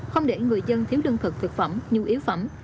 không để người dân thiếu lương thực thực phẩm nhu yếu phẩm